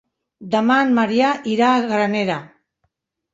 Demà en Maria irà a Granera.